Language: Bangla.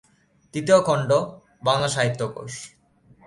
তৃতীয় খন্ড: বাংলা সাহিত্যকোষ।